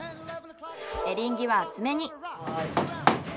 エリンギは厚めに。